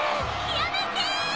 やめてー！